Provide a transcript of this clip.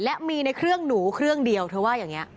และมีในเครื่องหนูเครื่องเดียวเธอว่าอย่างนี้